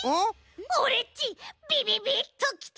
オレっちビビビッときた！